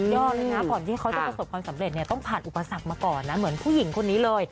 เลยนะก่อนที่เขาจะประสบความสำเร็จเนี่ยต้องผ่านอุปสรรคมาก่อนนะเหมือนผู้หญิงคนนี้เลย